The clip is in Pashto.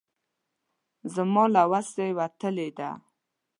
زما له وسه وتلې ده.